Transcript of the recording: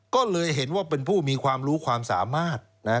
ก็เลยเห็นว่าเป็นผู้มีความรู้ความสามารถ